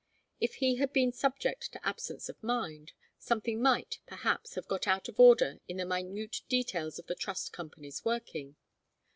If he had been subject to absence of mind, something might, perhaps, have got out of order in the minute details of the Trust Company's working.